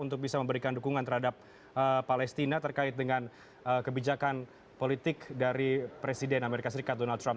untuk bisa memberikan dukungan terhadap palestina terkait dengan kebijakan politik dari presiden amerika serikat donald trump